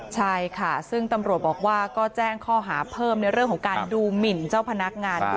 ใช่ค่ะซึ่งตำรวจบอกว่าก็แจ้งข้อหาเพิ่มในเรื่องของการดูหมินเจ้าพนักงานด้วย